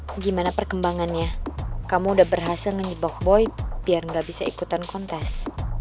alex gimana perkembangannya kamu udah berhasil ngejebak boy biar gak bisa ikutan kontes